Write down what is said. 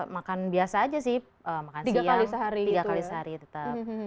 makan biasa aja sih makan siang tiga kali sehari tetap